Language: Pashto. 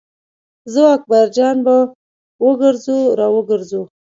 زه او اکبر جان به وګرځو را وګرځو.